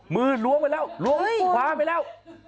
มือล้วนไปแล้วล้วนคว้าไปแล้ว